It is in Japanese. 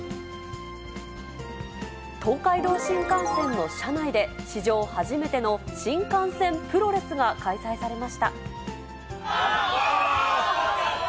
東海道新幹線の車内で、史上初めての新幹線プロレスが開催されました。